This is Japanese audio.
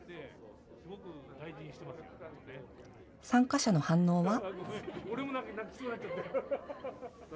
参加者の反応は？